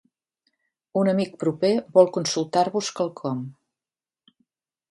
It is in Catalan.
Un amic proper vol consultar-vos quelcom.